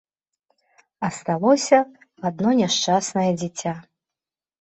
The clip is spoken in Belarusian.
Асталося адно няшчаснае дзіця.